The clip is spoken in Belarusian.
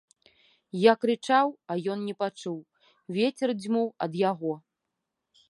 Я крычаў, а ён не пачуў, вецер дзьмуў ад яго.